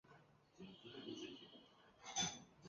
警察从被破坏之栅栏缺口突围而出